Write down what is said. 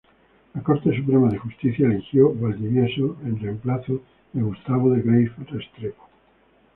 La Corte Suprema de Justicia eligió Valdivieso, en reemplazo de Gustavo de Greiff Restrepo.